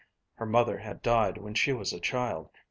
Her mother had died when she was a child.